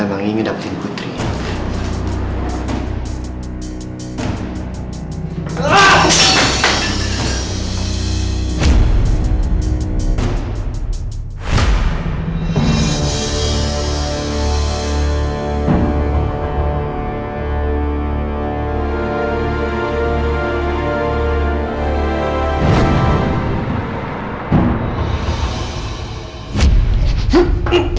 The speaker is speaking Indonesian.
namanya nungguin mikirin nungguinique offended